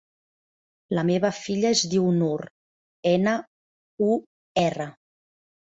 La meva filla es diu Nur: ena, u, erra.